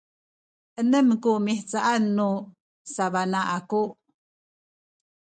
enem ku mihcaan nu sabana aku